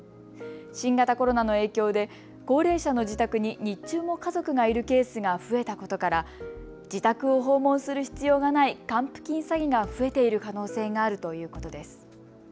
新型コロナの影響で高齢者の自宅に日中も家族がいるケースが増えたことから自宅を訪問する必要がない還付金詐欺が増えている可能性があるということです。